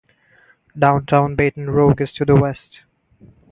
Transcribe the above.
Downtown Baton Rouge is to the west.